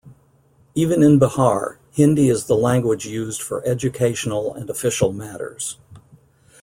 Even in Bihar, Hindi is the language used for educational and official matters.